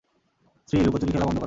শ্রী, লুকোচুরি খেলা বন্ধ করো।